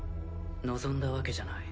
望んだわけじゃない。